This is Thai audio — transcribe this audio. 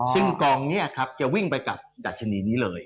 ซึ่งกองนี้ครับจะวิ่งไปกับดัชนีนี้เลย